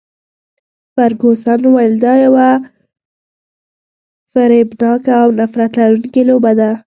فرګوسن وویل، دا یوه فریبناکه او نفرت لرونکې لوبه ده.